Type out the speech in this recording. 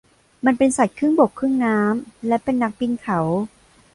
มันเป็นสัตว์ครึ่งบกครึ่งน้ำและเป็นนักปีนเขา